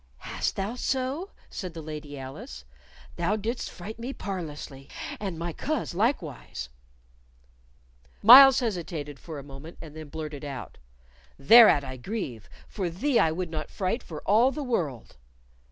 "Hast thou so?" said the Lady Alice. "Thou didst fright me parlously, and my coz likewise." Myles hesitated for a moment, and then blurted out, "Thereat I grieve, for thee I would not fright for all the world."